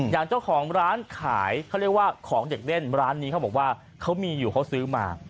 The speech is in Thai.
อย่างเจ้าของร้านขายเขาเรียกว่าของเด็กเล่นร้านนี้เขาบอกว่าเขามีอยู่เขาซื้อมา